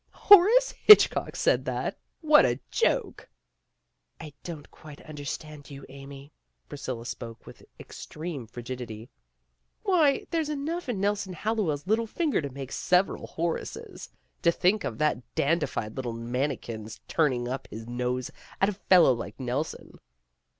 "Horace Hitchcock said that. What a joke!" "I don't quite understand you, Amy." Priscilla spoke with extreme frigidity. "Why, there's enough in Nelson Hallowell's little finger to make several Horaces. To think of that dandified little manikin 's turning up his nose at a fellow like Nelson."